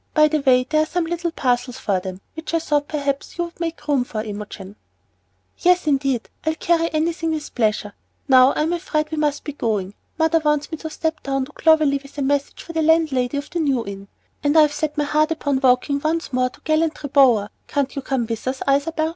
By the way, there are some little parcels for them, which I thought perhaps you would make room for, Imogen." "Yes, indeed, I'll carry anything with pleasure. Now I'm afraid we must be going. Mother wants me to step down to Clovelly with a message for the landlady of the New Inn, and I've set my heart upon walking once more to Gallantry Bower. Can't you come with us, Isabel?